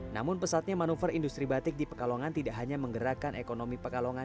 namun pesatnya manuver industri batik di pekalongan tidak hanya menggerakkan ekonomi pekalongan